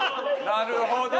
なるほど。